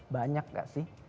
banyak enggak sih